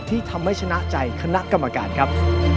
ที่ทำให้ชนะใจคณะกรรมการครับ